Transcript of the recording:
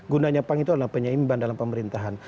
gunanya pan itu adalah penyeimbang dalam pemerintahan